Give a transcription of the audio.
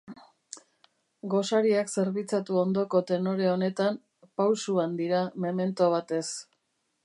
Gosariak zerbitzatu ondoko tenore honetan, pausuan dira memento batez.